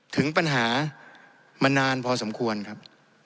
ถึงปัญหามานานพอสมควรครับ